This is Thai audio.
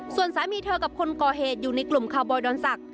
ส่วนสามีเธอกับคนก่อเหตุอยู่ในกลุ่มคาวบอยดอนศักดิ